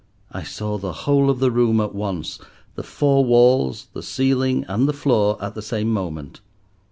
I saw the whole of the room at once, the four walls, the ceiling, and the floor at the same moment.